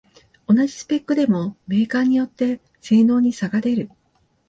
同じスペックでもメーカーによって性能に差が出る